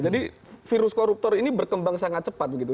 jadi virus koruptor ini berkembang sangat cepat begitu